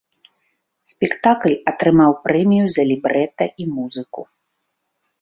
Спектакль атрымаў прэмію за лібрэта і музыку.